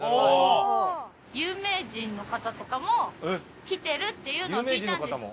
有名人の方とかも来てるっていうのは聞いたんです。